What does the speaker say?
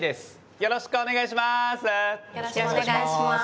よろしくお願いします。